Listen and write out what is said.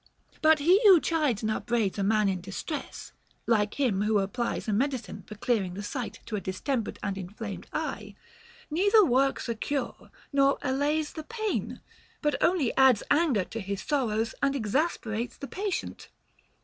But he who chides and upbraids a man in distress, like him who applies a medicine for clearing the sight to a distempered and in flamed eye, neither works a cure nor allays the pain, but only adds anger to his sorrows and exasperates the patient.